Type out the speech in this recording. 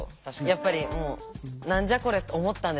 やっぱり「何じゃこれ」と思ったんですけど